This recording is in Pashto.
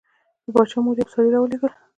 د باچا مور یو سړی راولېږه.